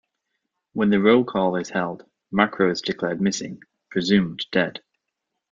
When the roll-call is held, Macro is declared missing, presumed dead.